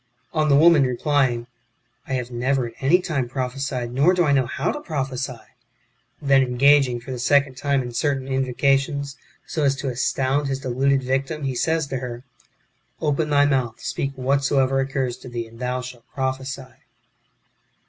On the woman replying, " I have never at any time prophesied, nor do I know how to prophesy ;" then engaging, for the second time, in certain invocations, so as to astound his deluded victim, he says to her, ^' Open thy mouth, speak whatsoever occurs to thee, and thou shalt prophesy."